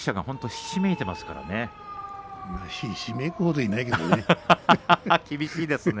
ひしめくほどいないけどね。